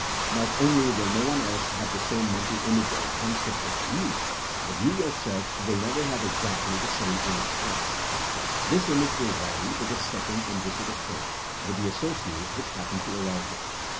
Not only wUl no one else have the same mental image or concept as you hut you yourself will never have exactly the same image twice. This image will vary with the setting in THINEINa AS A SOIENOE 199 which it occurs — ^with the associates which hap pen to arouse it.